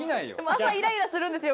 朝イライラするんですよ